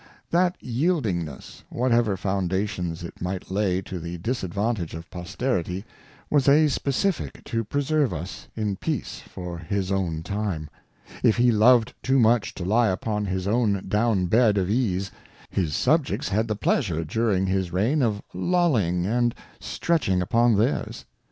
That Yieldingness, whatever Foundations it might lay to the Disadvantage of Posterity, was a Specifick to preserve us in Peace for his own Time. If he loved too much to lie upon his own Down bed of Ease, his Subjects had the Pleasure, during his Reign, of lolling and stretching upon theirs.